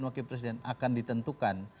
dan wakil presiden akan ditentukan